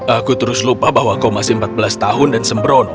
aku terus lupa bahwa kau masih empat belas tahun dan sembrono